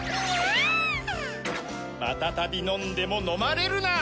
飲んでも飲まれるな。